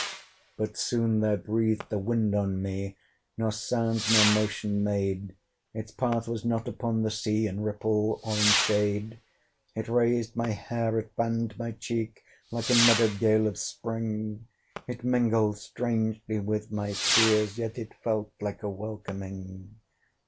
But soon there breathed a wind on me, Nor sound nor motion made: Its path was not upon the sea, In ripple or in shade. It raised my hair, it fanned my cheek Like a meadow gale of spring It mingled strangely with my fears, Yet it felt like a welcoming.